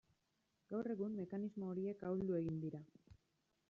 Gaur egun mekanismo horiek ahuldu egin dira.